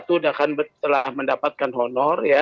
sudah kan telah mendapatkan honor ya